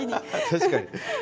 確かに。